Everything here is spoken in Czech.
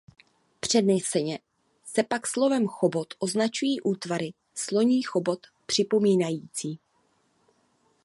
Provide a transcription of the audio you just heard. Přeneseně se pak slovem chobot označují útvary sloní chobot připomínající.